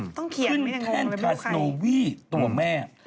ต้องเขียนไม่ได้งงเลยไม่มีใครขึ้นแทนคาสโนวี่ตัวแม่